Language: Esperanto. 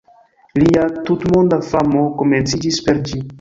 Lia tutmonda famo komenciĝis per ĝi.